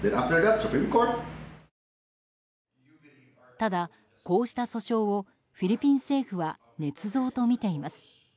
ただ、こうした訴訟をフィリピン政府はねつ造とみています。